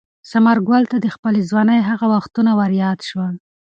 ثمرګل ته د خپلې ځوانۍ هغه وختونه وریاد شول.